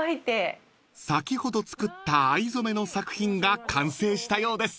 ［先ほど作った藍染めの作品が完成したようです］